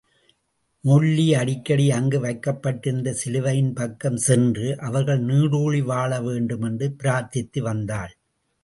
மோல்லி அடிக்கடி அங்கு வைக்கப்பட்டிருந்த சிலுவையின் பக்கம் சென்று, அவர்கள் நீடுழி வாழவேண்டும் என்று பிரார்த்தித்து வந்தாள்.